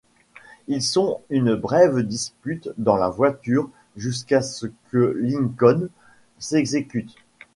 Ils ont une brève dispute dans la voiture jusqu'à ce que Lincoln s'excuse.